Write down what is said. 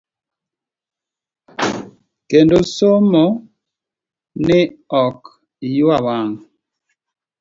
Kendo somo ni ok ywa wang'.